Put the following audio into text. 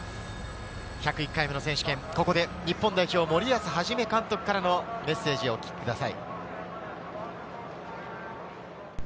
１０１回目の選手権、ここで日本代表・森保一監督からのメッセージをお聞きください。